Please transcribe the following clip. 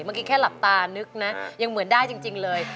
เมื่อกี้แค่หลับตานึกนะยังเหมือนได้จริงเลย